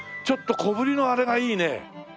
ちょっと小ぶりのあれがいいね。